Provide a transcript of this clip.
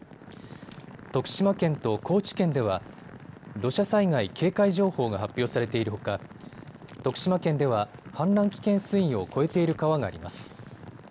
徳島県と高知県では土砂災害警戒情報が発表されているほか徳島県では氾濫危険水位を超えている川があります。